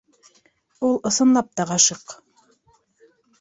- Ул, ысынлап та, ғашиҡ.